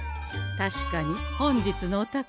確かに本日のお宝